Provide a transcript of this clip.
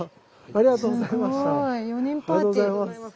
ありがとうございます。